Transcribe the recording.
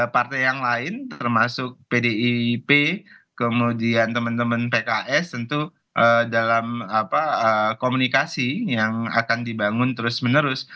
partai yang lain termasuk pdip kemudian teman teman pks tentu dalam komunikasi yang akan dibangun terus menerus